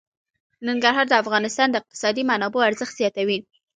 ننګرهار د افغانستان د اقتصادي منابعو ارزښت زیاتوي.